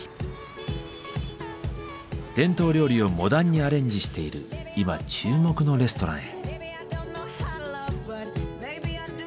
伝統料理をモダンにアレンジしている今注目のレストランへ。